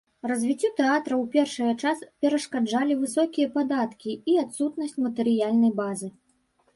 Развіццю тэатра ў першае час перашкаджалі высокія падаткі і адсутнасць матэрыяльнай базы.